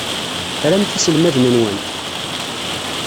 Tramt iselmaden-nwent?